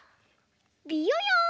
びよよん！